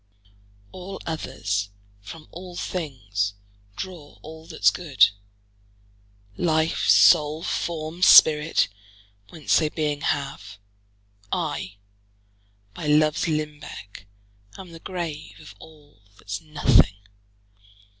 All others, from all things, draw all that's good, Life, soule, forme, spirit, whence they beeing have; I, by loves limbecke, am the grave Of all, that's nothing.